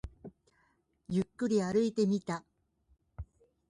ゆっくり歩いてみた